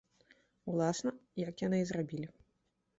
Уласна, як яны і зрабілі.